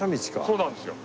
そうなんですよ。